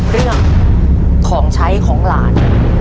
เรื่องของใช้ของหลาน